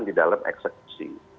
di dalam eksekusi